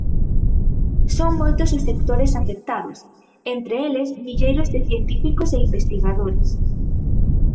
Son moitos os sectores afectados, entre eles milleiros de científicos e investigadores.